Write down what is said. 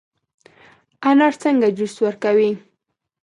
انار څنګه جوس ورکوي؟